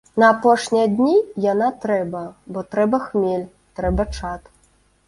На апошнія дні яна трэба, бо трэба хмель, трэба чад.